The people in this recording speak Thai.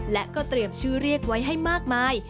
และก็เตรียมชื่อเรียกไว้ให้มากมาย